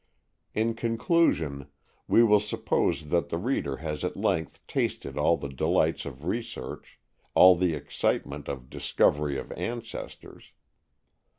In conclusion we will suppose that the reader has at length tasted all the delights of research, all the excitement of the discovery of ancestors.